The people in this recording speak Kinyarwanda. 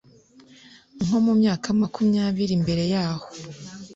nko mu myaka makumyabiri mbere yaho